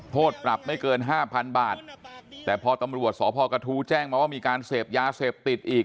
โทษปรับไม่เกินห้าพันบาทแต่พอตำรวจสพกระทู้แจ้งมาว่ามีการเสพยาเสพติดอีก